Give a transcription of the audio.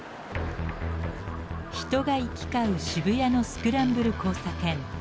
人が行き交う渋谷のスクランブル交差点。